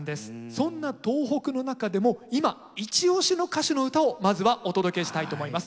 そんな東北の中でも今いち押しの歌手の唄をまずはお届けしたいと思います。